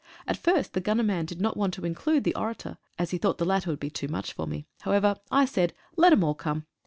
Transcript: At first the gunner man did not want to include the orator, as he thought the latter would be too much for me. However, I said, "Let 'em all come."